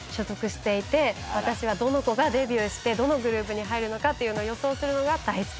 私はどの子がデビューしてどのグループに入るのかっていうのを予想するのが大好きです。